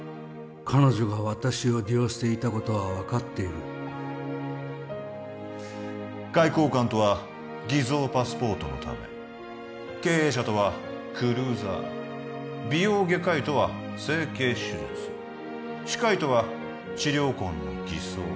彼女が私を利用していたことは分かっている外交官とは偽造パスポートのため経営者とはクルーザー美容外科医とは整形手術歯科医とは治療痕の偽装